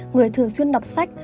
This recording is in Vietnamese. người thường xuyên đọc sách